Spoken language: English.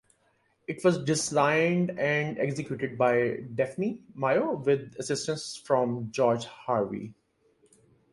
It was designed and executed by Daphne Mayo with assistance from George Harvey.